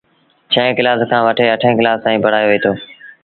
ڇهين ڪلآس کآݩ وٽي اٺيݩ ڪلآس تائيٚݩ پڙهآيو وهيٚتو۔